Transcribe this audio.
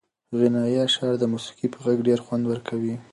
غنایي اشعار د موسیقۍ په غږ کې ډېر خوند ورکوي.